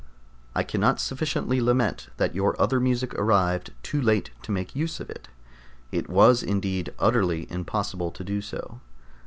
I cannot sufficiently lament that your other music arrived too late to make use of it. It was indeed utterly impossible to do so.